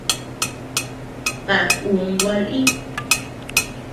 Baʼa kun gua lï.